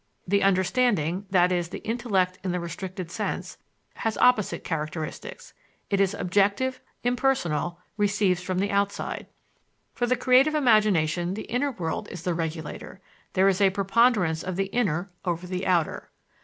The understanding, i.e., the intellect in the restricted sense, has opposite characteristics it is objective, impersonal, receives from outside. For the creative imagination the inner world is the regulator; there is a preponderance of the inner over the outer.